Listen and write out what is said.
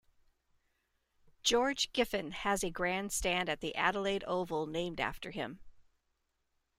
George Giffen has a grandstand at the Adelaide Oval named after him.